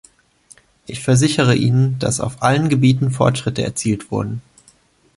Ich versichere Ihnen, dass auf allen Gebieten Fortschritte erzielt wurden.